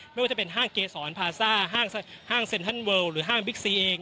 ไม่ว่าจะเป็นห้างเกษรพาซ่าห้างเซ็นทันเลิลหรือห้างบิ๊กซีเอง